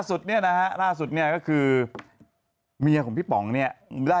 สุดเนี่ยนะฮะล่าสุดเนี่ยก็คือเมียของพี่ป๋องเนี่ยได้